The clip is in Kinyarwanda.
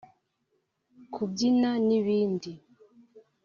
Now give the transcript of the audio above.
kubyina n’ibindi